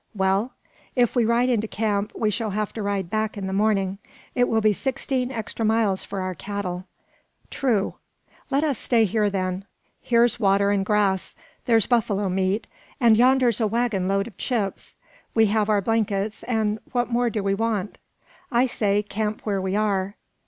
"Well?" "If we ride into camp, we shall have to ride back in the morning. It will be sixteen extra miles for our cattle." "True." "Let us stay here, then. Here's water and grass. There's buffalo meat; and yonder's a waggon load of `chips.' We have our blankets; what more do we want?" "I say, camp where we are."